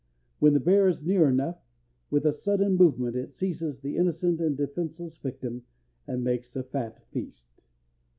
When the bear is near enough, with a sudden movement it seizes the innocent and defenseless victim, and makes a fat feast.